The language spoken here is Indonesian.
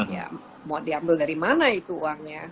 ya mau diambil dari mana itu uangnya